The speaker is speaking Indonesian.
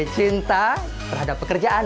cinta terhadap pekerjaan